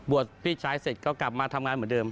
พี่ชายเสร็จก็กลับมาทำงานเหมือนเดิม